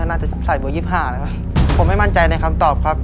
น่าจะใส่เบอร์๒๕นะครับผมไม่มั่นใจในคำตอบครับ